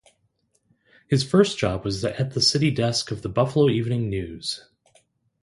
His first job was at the city desk of the Buffalo Evening News.